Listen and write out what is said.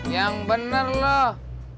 yang bener loh